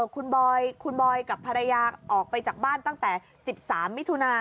คุณบอยด์กับภรรยากดออกออกไปจากบ้านตั้งแต่๑๓มน